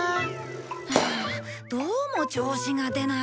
ハアどうも調子が出ない